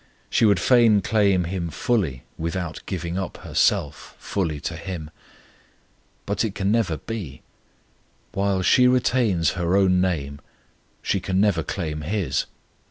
She would fain claim him fully, without giving up herself fully to him; but it can never be: while she retains her own name, she can never claim his.